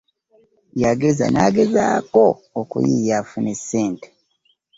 Yageza nagezaako okuyiiya afune sente .